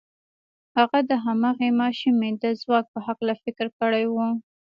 هغه د هماغې ماشومې د ځواک په هکله فکر کړی و.